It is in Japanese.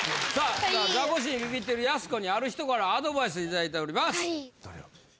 さあザコシにビビってるやす子にある人からアドバイスいただいております。